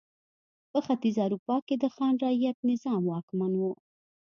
په ختیځه اروپا کې د خان رعیت نظام واکمن و.